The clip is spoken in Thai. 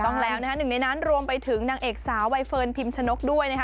ต้องแล้วนะคะหนึ่งในนั้นรวมไปถึงนางเอกสาวใบเฟิร์นพิมชนกด้วยนะคะ